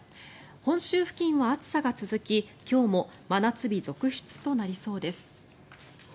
本州付近は暑さが続き今日も真夏日続出となりそうです。